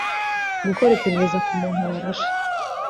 gukora iperereza ku muntu warashe